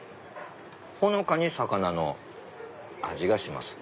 ほのかに魚の味がします。